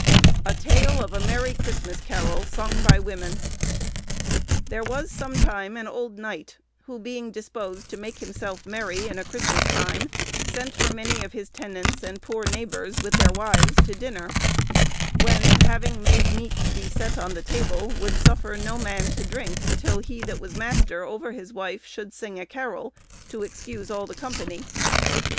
"A Tale of a Merry Christmas Carroll, sung by women. "There was sometime an old knight, who being disposed to make himselfe merry in a Christmas time, sent for many of his tenants, and poore neighbors, with their wives, to dinner; when, having made meat to be set on the table, would suffer no man to drinke, till he that was master ouer his wife should sing a carroll, to excuse all the company.